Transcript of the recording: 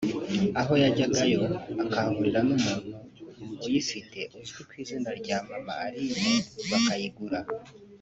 aho yajyagayo akahahurira n’umuntu uyifite uzwi ku izina rya mama Aline bakayigura